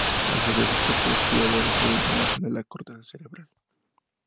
A su vez, el cuerpo estriado recibe información de la corteza cerebral.